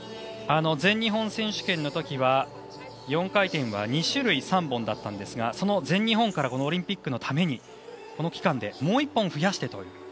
全日本選手権の時は４回転は２種類の３本でしたが全日本からオリンピックのためにこの期間でもう１本増やしました。